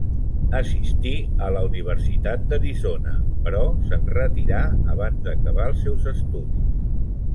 Assistí a la Universitat d'Arizona, però se'n retirà abans d'acabar els seus estudis.